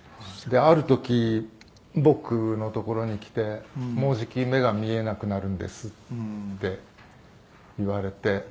「である時僕のところに来て“もうじき目が見えなくなるんです”って言われて」